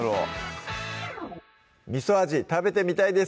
味味食べてみたいです